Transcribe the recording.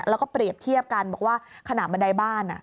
แล้วก็เปรียบเทียบกันบอกว่าขณะบันไดบ้าน